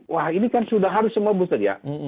wah ini kan sudah harus semua booster ya